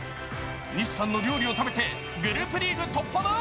西さんの料理を食べてグループリーグ突破だ。